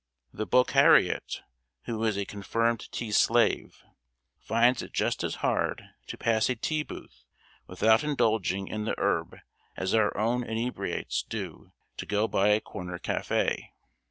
The Bokhariot, who is a confirmed tea slave, finds it just as hard to pass a tea booth without indulging in the herb as our own inebriates do to go by a corner cafe.